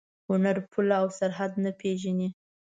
هنر پوله او سرحد نه پېژني.